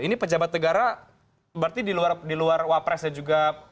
ini pejabat negara berarti di luar wakil presiden juga